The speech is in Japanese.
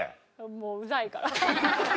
もううざいから。